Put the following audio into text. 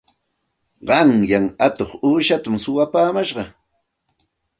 Qanyan atuq uushatam suwapaamash.